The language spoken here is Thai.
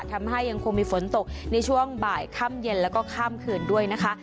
ยังคงมีฝนตกในช่วงบ่ายค่ำเย็นแล้วก็ข้ามคืนด้วยนะคะ